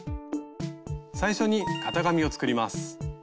最初に型紙を作ります。